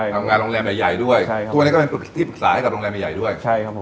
ทำงานโรงแรมใหญ่ด้วย